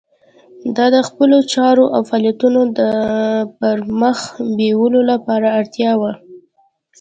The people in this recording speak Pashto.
دا د خپلو چارو او فعالیتونو د پرمخ بیولو لپاره اړتیا وه.